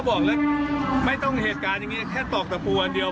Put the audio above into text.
บอกเลยไม่ต้องเหตุการณ์อย่างนี้แค่ตอกตะปูอันเดียว